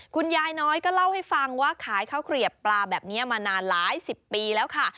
คุณยายน้อยก็เล่าให้ฟังว่าขายข้าวเกลียบปลาแบบนี้มานานหลายสิบปีแล้วค่ะ